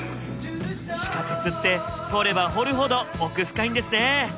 地下鉄って掘れば掘るほど奥深いんですね。